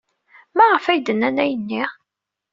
Maɣef ay d-nnan ayenni?